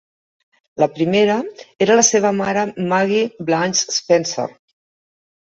La primera era la seva mare Maggie Blanche Spencer.